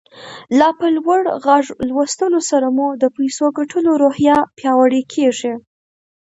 له په لوړ غږ لوستلو سره مو د پيسو ګټلو روحيه پياوړې کېږي.